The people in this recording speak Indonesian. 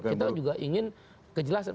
kita juga ingin kejelasan